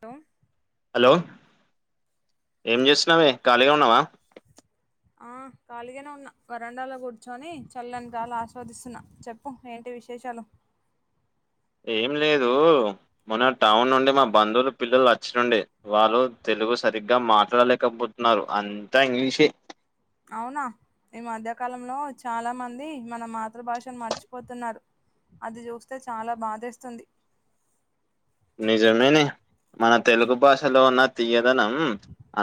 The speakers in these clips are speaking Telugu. టో లో ఏం జెస్తున్నావే ఖాళీగా ఉన్నావా ఆ ఖాళిగనే ఉన్నా వరండాలో గుర్చొని చల్లన్ గాల ఆస్వాదిస్తున్నా చెప్పు ఏంటి విశేషాలు ఏం లేదు మొన్న టౌన్ నుండి మా బంధులు పిల్లలు వచ్రుండే వాళ్ళు తె లుగు సరిగ్గా మాట్లాడలేకపోతున్నారు అంతా ఇంగ్లిషే అవునా ఈ మధ్యకాలంలో చాలా మంది మన మాతృభాషను మర్చిపోతున్నారు అది జూస్తే చాలా బాధేస్తుంది నిజమేనె మన తెలుగు భాషలో ఉన్న తీయ్యదనం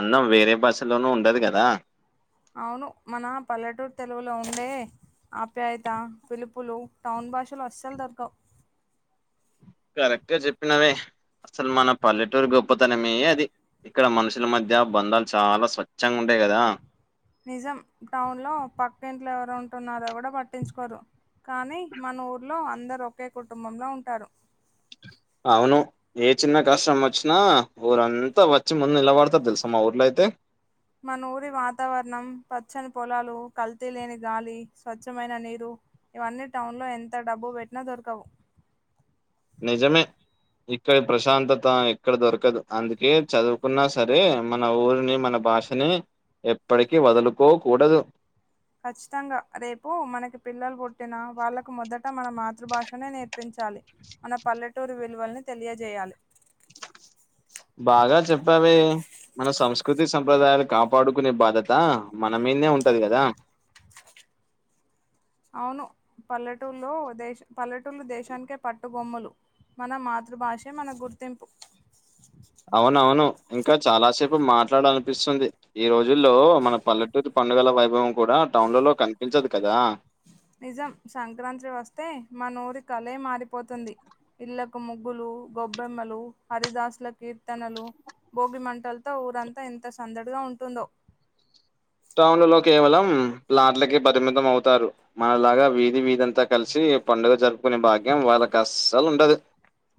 అన్నం వేరే భాషలోనూ ఉండదు గదా అవును మన పల్లెటూరు తెలుగులో ఉండే ఆప్యాయత పిలుపులు టౌన్ భాషలో అస్సల్ దొరకవ్ కరెక్ట్ గా జొప్పినవే అస్సలు మన పల్లెటూరు గొప్పతనమే అది ఇక్కడ మనుషుల మధ్య బంధాలు చాలా స్వచ్ఛంగుండే గదా నిజం టౌన్ లో పక్క ఇంట్లొ ఎవరో ఉంటున్నారో గుడ బట్టించికోరు కానీ మన ఊర్లో అందరు ఒకే కుటుంబంలో ఉంటారు అవును ఏ చిన్న కష్ట మొచ్చినా ఊరంతా వొచ్చి ముందు నిలబడత దెల్సా మా ఊర్లో అయితే మన ఊరి వాతావరణం పచ్చని పొలాలు కల్తీ లేని గాలి స్వచ్ఛమైన నీరు ఇవన్నీ టౌన్ లో ఎంత డబ్బు వెట్నా దొరకవు నిజమే ఇక్కడి ప్రశాంతత ఎక్కడ దొరకదు అందుకే చదువుకున్నా సరే మన ఊరిని మన భాషని ఎప్పడికీ వదులుకోకూడదు ఖచ్చితంగా రేపు మనకి పిల్లలు బుట్టిన వాళ్ళకు మొదట మన మాతృభాషనే నేర్పిం చాలి మన పల్లెటూరు విలువల్ని తెలియజేయాలి బాగా జెప్పావే మన సంస్కృతి సంప్రదాయాలు కాపాడుకునే బాధ్యత మన మిందే ఉంటది గదా అవును పల్లెటూల్లో దేష పల్లెటూళ్ళు దేశానికే పట్టుబొమ్ములు మన మాతృభాషే మన గుర్తింపు అవునవును ఇంకా చాలాసేపు మాట్లాడ అనిపిస్తుంది ఈ రో జుల్లో మన పల్లెటూరి పండగల వైభవం కూడా టౌన్ లలో కనిపించదు కదా నిజం సంక్రాంత్రి వస్తే మనూరి కలే మారిపోతుంది ఇళ్లకు ముగ్గులు గొబ్బెమ్మలు హరిదాసు ల కీర్తనలు భోగి మంటలతో ఊరంతా ౠంత సందడిగా ఉంటుందో టౌన్ డ్లలో కేవలం ప్లాట్లకే పరిమితం అవుతారు మనలాగా వీధి వీధి అంతా కలిసి ఈ పండుగ జరుపుకునే భాగ్యం వాళ్ళకి అస్సల్ ఉండదు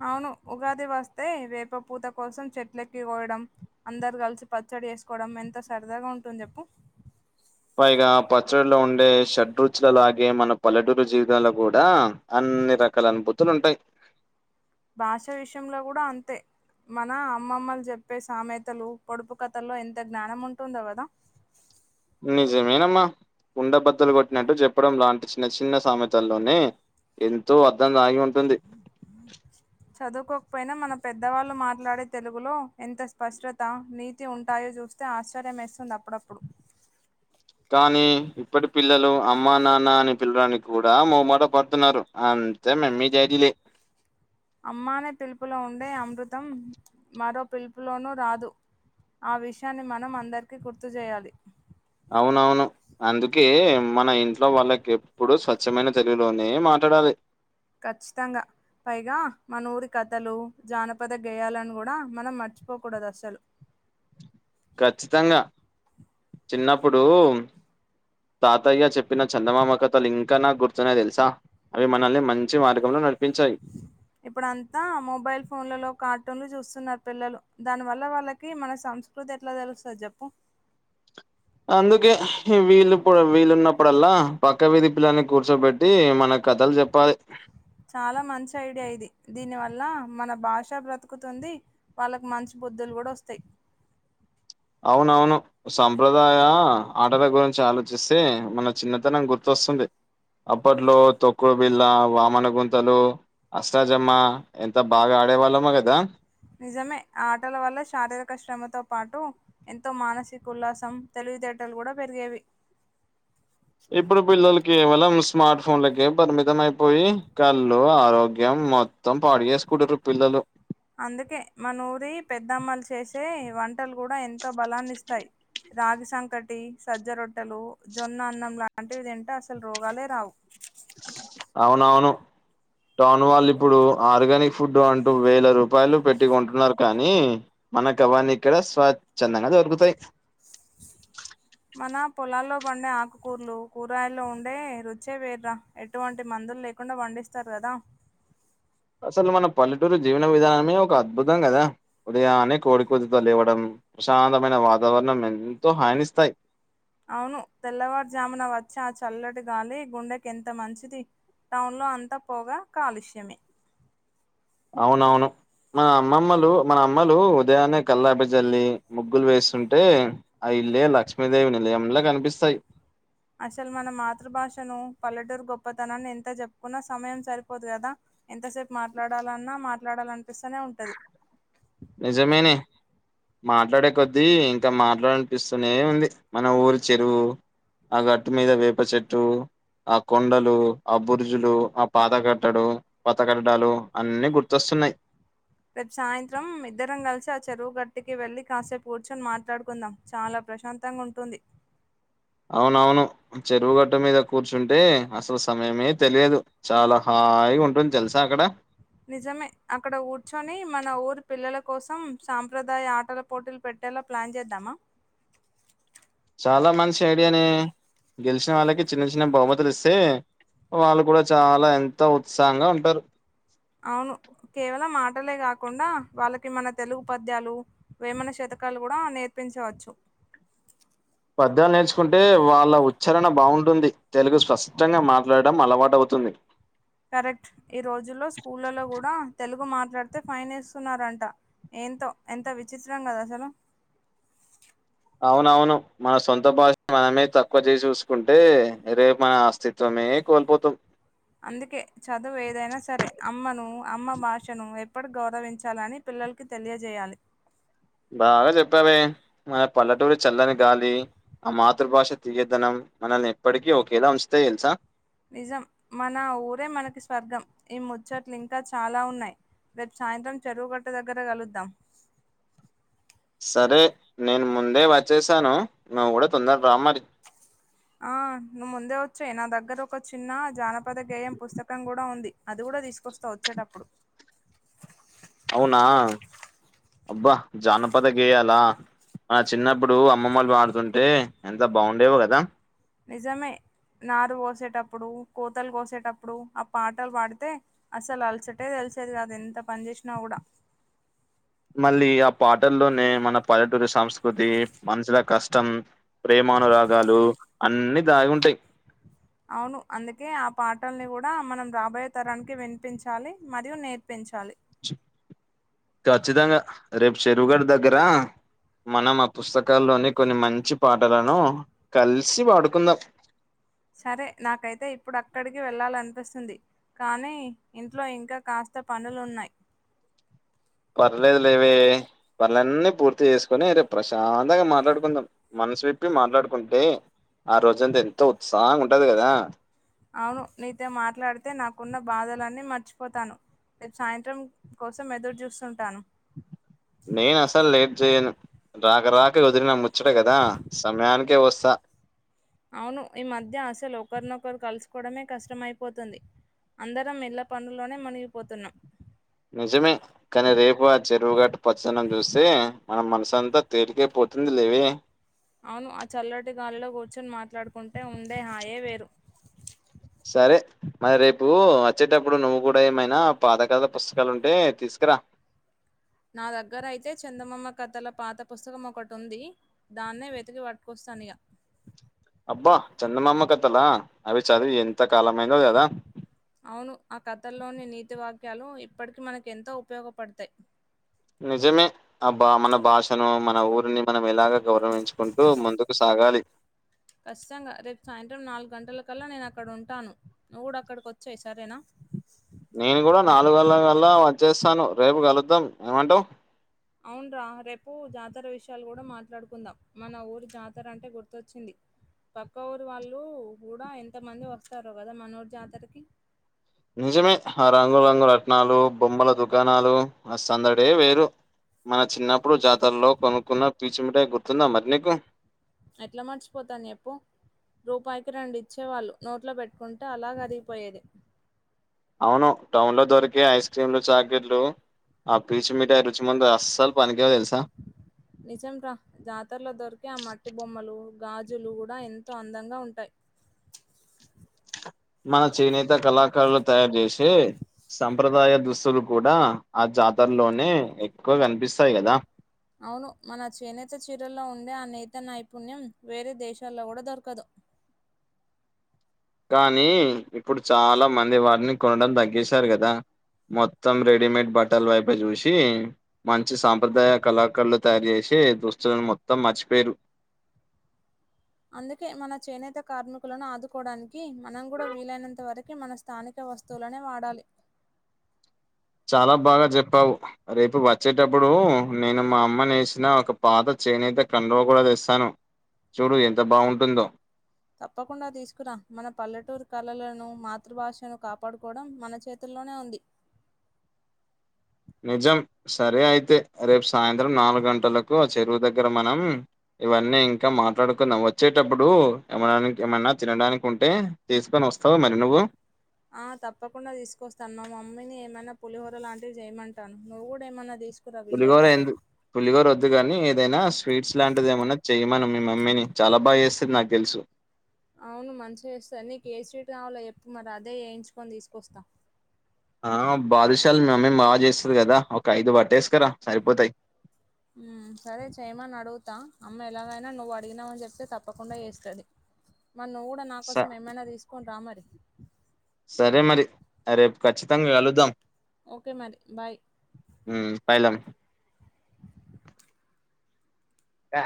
అవును ఉగాది వస్తే వేప పూత కోసం చెట్లెక్కికోయడం అందరు కలిసి పచ్చ చ్చడి చేసుకోవడం ఎంత సరదాగా ఉంటుంది చెప్పు పైగా పచ్చడిలో ఉండే షడ్రుచుల లాగే మన పల్లెటూరు జీవితాలో గూడా అ అన్ని రకాల అనుభూతులు ఉంటయ్ భాష విషయంలో గూడా అంతే మన అమ్మమ్మలు చెప్పే సామెతలు పొడుపు కథల్లో ఎంత జ్ఞానం ఉంటుందో గదా [inaudible] నిజమేనమ్మా కుండబద్దలు గొట్టినట్టు జెప్పడం లాంటి చిన్న చిన్న సామెతల్లోనే ఎంతో అర్థం దాగి ఉ ఉంటుంది చదువుకోకపోయినా మన పెద్దవాళ్ళు మాట్లాడే తెలుగులో ఎంత స్పష్టత నీతి ఉంటాయో జూస్ తే ఆశ్చర్యం యేస్తుంది కానీ ఇప్పటి పిల్లలు అమ్మ నాన్న అని పిల్వడానికి గూడా మొహమాట పడుతున్నారు అంతా మమ్మీ డాడీలే [inaudible] అమ్మా అనే పిలుపులో ఉండే అమృతం మరో పిలుపులోనూ రాదు ఆ విషయాన్ని మనం అందరికీ గుర్తు జేయాలి అవునవును అందుకే మన ఇంట్లో వాళ్ళకి ఎప్పుడు స్వచ్ఛమైన తెలుగులోనే మా ట్లాడాలి ఖచ్చితంగా పైగా మన ఊరి కథలు జానపద గేయాలని గూడా మనం మ ర్చిపోకూడదు అసలు ఖచ్చితంగా చిన్నప్పుడు తాతయ్య చెప్పిన చందమామ కథలు ఇంకా నా గుర్తున్నాయ్ దెలుసా అవి మనల్ని మంచి మార్గంలో న ఇప్పుడు అంతా మొబైల్ ఫోన్లలో కార్టూన్లు జూస్ స్తున్నారు పిల్లలు దాని వల్ల వాళ్ళకి మన సంస్కృతి ఎట్లా దెలుస్తది జెప్పు అందుకే వీలు వీలున్నప్పుడల్లా పక్క వీధి పిల్లని కూర్చోబెట్టి మనకు కథలు జెప్పాలి చాలా మంచి ఐడియా ఇది దీని వల్ల మన భాష బ్రతుకుతుంది వాళ్ళకి మంచి బుద్ధులు గూడా వస్తయ్ అవునవును సంప్రదాయ ఆటల గురించి ఆలోచిస్తే మన చిన్నతనం గుర్తొస్తుంది అప్పట్లో తొక్కుడు బిళ్ళ వామన గుంతలు అష్టాజమ్మ ఎంత బాగా ఆ ఆడేవాళ్ళమో గదా నిజమే ఆ ఆటల వల్ల శారీరక శ్రమతో పాటు ఎంతో మానసిక ఉల్లాసం తెలి వితేటలు గూడా పెరిగేవి ఇప్పుడు పిల్లలు కేవలం స్మార్ట్ ఫోన్లకే పరిమితం అయిపోయి కళ్ళు ఆరోగ్యం మొత్తం పాడు చేసుకుంటురు పిల్లలు అందుకే మనూరి పెద్దమ్మలు చేసే వంటలు గూడా ఎంతో బలాన్నిస్తాయి రాగి సంకటి సజ్జ రొట్టెలు జొన్న అన్నం లాంటివి తింటే అసలు రోగాలే రావు అవునవును [inaudible] టౌన్ వాళ్ళు ఇప్పుడు ఆర్గానిక్ ఫుడ్ అంటూ వేల రూపాయలు పెట్టికొంటున్నారు కానీ మన గవన్ని ఇక్కడ స్వచ్ఛందంగా దొరుకుతాయి మన పొలాల్లో పండే ఆకుకూరలు కూరగాయల్లో ఉండే రుచే వేర్రా ఎటువంటి మందులు లేకుండా పం డిస్తారు గదా అసలు మన పల్లెటూరు జీవన విధానమే ఒక అద్భుతం గదా ఉదయానే కోడి కూతితో లేవడం ప్రశాంతమైన వాతావరణం ఎంతో హానిస్తాయి అవును తెల్లవార్జామున వచ్చా ఆ చల్ల గాలి గుండెకెంత మంచిది టౌన్ లో అంతా పొగా కాలుష్యమే అవునవును మా అమ్మమ్మలు మన అమ్మలు ఉదయాన్నే కల్లాపి జల్లి ముగ్గులు వేస్తుంటే అయి ఇల్లే లక్ష్మీదేవి నిలయంల గనిపిస్తాయి అసలు మన మాతృభాషను పల్లెటూరు గొప్పతనాన్ని ఎంత జెప్పుకున్నా సమయం సరిపోదు గదా! ఎంతసేపు మాట్లాడాలన్నా మాట్లాడాలం నిజమేనే మాట్లాడే కొద్దీ మాట్లాడనిపిస్తూనే ఉంది మన ఊరి చెరువు ఆ గట్టు మీద వేప చెట్టు ఆ కొండలు ఆ బుర్జులు ఆ పాత కట్టడు పత కట్టడాలు అన్ని గుర్తొస్ తున్నయ్ రేపు సాయింత్రం ఇద్దరం గలిసి ఆ చెరువు గట్టికి వెళ్ళి కాసేపు కూర్చొని మాట్లాడుకుందాం చాలా ప్రశాంతం గుంటుంది అవునవును చెరువుగడ్డ మీద కూర్చుంటే అసలు సమయమే తెలియదు చాలా హా హాయిగ ఉంటుంది తెలుసా అక్కడ నిజమే అక్కడ కూర్చొని మన ఊరు పిల్లల కోసం సాంప్రదాయ ఆటల పోటీలు పెట్టేలా ప్లాన్ జేద్దామా చాలా మంచి ఐడియానే గెలిచిన వాళ్ళకి చిన్న చిన్న బహుమతులు ఇస్తే వాళ్ళు కూడా చాలా ఎంతో ఉత్సాహంగా ఉంటరు అవును కేవలం టలే గాకుండా వాళ్ళకేమన్న తెలుగు పద్యాలు వేమన శతకాలు గుడా నేర్పించవచ్చు చరణ బాగుంటుంది తెలుగు స్పష్టంగా మాట్లాడడం అలవాటౌతుంది కరెక్ట్ ఈ రోజుల్లో స్కూళ్ళలో గూడా తెలుగు మాట్లాడితే ఫైన్ ఏస్తున్నారంట ఏంతో ఎంత విచిత్రం గదసలు అవునవును మన సొంత భాష మనమే తక్కువ చేసి చూసుకుంటే రేపు మన అస్తిత్వమే కోల్పోతవ్ అందుకే చదువు ఏదైనా సరే అమ్మను అమ్మ భాషను ఎప్పడు గౌరవించాలని పిల్లలకి తెలియజేయాలి బాగ చెప్పావే మన పల్లెటూరి చల్లని గాలి ఆ మాతృభాష తీయ్యదనం మనల్ని ఎప్పటికీ ఒకేలా ఉంచుతా తెలుసా నిజం మన ఊరే మనకి స్వర్గం ఈ ముచ్చట్లు ఇంకా చాలా ఉన్నాయి రేపు సాయంత్రం చెరువుగట్ట దగ్గర గలుద్దాం సరే నేను ముందే వచ్చేశాను నువ్వు గుడ తొందర రామ్మరి ఆ నువ్ ముందే వచ్చెయ్ నా దగ్గర ఒక చిన్న జానపద గేయం పుస్తకం గూడా ఉంది అది కుడ తీసుకొస్తా వచ్చేటప్పుడు అవునా అబ్బా జానపద గేయాల చిన్నప్పుడు అమ్మమ్మలు బాడుతుంటే ఎంత బాగుండేవో గదా నిజమే నారు పోసేటప్పుడు కోతలు కోసేటప్పుడు ఆ పాటలు బాడితే అసలు అలసటే తెలి తెలిసేది గాదు ఎంత పని జేషినా గుడ మళ్ళీ ఆ పాటల్లోనే మన పల్లెటూరి సంస్కృతి మనుషుల కష్టం ప్రేమానురాగాలు అన్ని దాగి ఉంటాయి అవును అందుకే ఆ పాటల్ని కూడా మనం రాబోయే తరానికి వినిపించాలి మరియు నేర్పించాలి ఖచ్చితంగా రేపు చెరువు గట్టు దగ్గరా మనం ఆ పుస్తకాల్లోని కొన్ని మంచి పాటలను కలిసి పాడుకుందాం సరే నాకైతే ఇప్పుడు అక్కడికి వెళ్ళాలనిపిస్తుంది కానీ ఇంట్లో ఇంకా కాస్త పనులున్నాయి పర్లేదు లేవే పనులన్నీ పూర్తి చేసుకొని రేపు ప్రశాంతంగా మాట్లాడుకుందాం మనసు విప్పి మాట్లాడుకుంటే ఆ రోజంతా ఎంతో ఉత్సాహంగా ఉంటది కదా అవును నీతో మాట్లాడితే నాకున్న బాధలన్నీ మర్చిపోతాను రేపు సాయంత్రం కోసం ఎదురు చూస్తుంటాను నేను అసలు లేట్ చేయను రాక రాక వదిలిన ము చ్చట కదా సమయానికే వస్తా అవును ఈ మధ్య అసలు ఒకరినొకరు కలుసుకోవడమే కష్టమైపోతుంది అందరం ఇళ్ల పనుల్లోనే మునిగిపోతున్నాం నిజమే కానీ రేపు ఆ చెరువు గట్ట పచ్చదన్నం చూస్తే మనం మనసంతా తేలికే పో తుంది లేవే అవును ఆ చల్లటి గాలిలో కూర్చొని మాట్లాడుకుంటే ఉండే హాయే వేరు సరే మరి రేపు వచ్చేటప్పుడు నువ్వు కూడా ఏమైనా పాతకాల పుస్తకాలు ఉంటే తీసుకురా నా దగ్గరయితే చందమామ కథల పాత పుస్తకం ఒకటి ఉంది దాన్నే వెతికి పట్టుకొస్త తానయా అబ్బా చందమామ కథలా అవి చదివి ఎంత కాలమైందో కదా అవును ఆ కథల్లోని నీతి వాక్యాలు ఇప్పటికీ మనకెంతో ఉపయోగపడతాయి నిజమే అబ్బ మన భాషను మన ఊరిని మనం ఎలాగే గౌరవించుకుంటూ ముందుకు సా సాగాలి ఖచ్చితంగా రేపు సాయంత్రం నాలుగు గంటల కల్లా నేను అక్కడ ఉంటాను నువ్వు కూడా అక్కడికి వచ్చెయ్ సరేనా నేను కూడా నాలుగు గంటల కల్లా వచ్చేస్తాను రేపు కలుద్దాం ఏమంటావు అవున రా రేపు జాతర విషయాలు కూడా మాట్లాడుకుందాం మన ఊరు జాతర అంటే గుర్తొచ్చింది పక్క ఊరి వాళ్ళు కూడా ఎంత మంది వస్తారో కదా మన ఊరి జాతరకి నిజమే ఆ రంగురంగుల రట్నాలు బొమ్మల దుకాణాలు ఆ సందడే వేరు మన చిన్నప్పుడు జాతరలో కొనుక్కున్న పీచు మిఠాయి గుర్తుందా మరి నీకు ఎట్లా మర్చిపోతాను చెప్పు రూపాయికి రెండు ఇచ్చేవాళ్ళు నోట్లో పెట్టుకుంటే అలా కరిగిపోయేది అవును టౌన్ లో దొరికే ఐస్ క్రీంలు చాక్లెట్లు ఆ పీచు మీఠాయి రుచి ముందర అస్సల్ పనికి నిజం రా జాతరలో దొరికే ఆ మట్టి బొమ్మలు గాజులు కూడా ఎంతో అందంగా ఉంటాయి మన చేనేత కళాకారులు తయారు చేసే సంప్రదాయ దుస్తులు కూడా ఆ జాతరలోనే ఎక్కువ కనిపిస్తాయి కదా అవును మన చేనేత చీరల్లో ఉండే ఆ నేత నైపుణ్యం వేరే దేశాల్లో కూడా దొరకదు కానీ ఇప్పుడు చాలా మంది వాటిని కొనడం తగ్గేసారు కదా మొత్తం రెడీమేడ్ బట్టల వైపే చూసి మంచి సాంప్రదాయ కళాకారులు తయారు చేసి తే దుస్తులను మొత్తం మర్చిపోయిర్రు అందుకే మన చేనేత కార్మికులను ఆదుకోవడానికి మనం కూడా వీలైనంత వరకు మన స్థానిక వస్తువులనే వాడాలి చాలా బాగా చెప్పావు రేపు వచ్చేటప్పుడు నేను మా అమ్మ నేసిన ఒక పాత చే నేనైతే కండవ కూడా తెస్తాను చూడు ఎంత బావుంటుందో తప్పకుండా తీసుకురాం మన పల్లెటూరు కళలను మాతృభాషను కాపాడుకోవడం మన చేతులో ల్లోనే ఉంది నిజం సరే అయితే రేపు సాయంత్రం నాలుగు గంటలకు చెరువు దగ్గర మనం ఇవన్నీ ఇంకా మాట్లాడుకున్నా వచ్చేటప్పుడు ఏమ ఏమన్నా తినడానికి ఉంటే తీసుకొని వస్త వస్తవ మరి నువ్వు ఆ తప్పకుండా తీసుకొస్తాను మా మమ్మీని ఏమైనా పులిహోర లాంటివి చేయమంటాను నువ్వు కూడా ఏమైనా తీసుకు పులిగౌరు ఎందు పులిగౌరు వద్దు వదుగాని ఏదైనా స్వీట్స్ లాంటిది ఏమనా చెయ్యమను మీ మమ్మీని చాలా బాగా చేస్తుంది నాకు తెలుసు అవును మంచిగా చేస్తంది నీకు ఏ స్వీట్ కావాలో ఎప్పు మరి అదే వయించుకొని తీసుకొస్తా ఆ బాథషాల్ ని మమ్మీ బాగా చేస్తారు కదా ఒక ఐదు బట్ట వేసుకుారా సరిపోతాయి సరే చేయమని అడుగుతా అమ్మ ఎలాగైనా నువ్వు అడిగినావ అని చెప్తే తప్పకుండా చేస్తుంది మరి నువ్వు కూడా నాకోసం ఏమైనా తీసుకుని రా మరి సరే మరి రేపు ఖచ్చితంగా వెలుద్దాం ఓకే మరి బాయ్ ఉమ్, పైలం డా